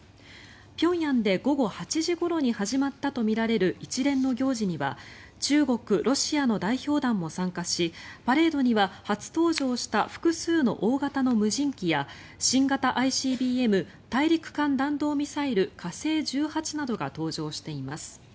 平壌で午後８時ごろに始まったとみられる一連の行事には中国・ロシアの代表団も参加しパレードには初登場した複数の大型の無人機や新型ＩＣＢＭ・大陸間弾道ミサイル火星１８などが登場しています。